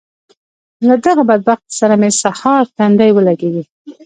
له دغه بدبخته سره مې سهار تندی ولګېږي.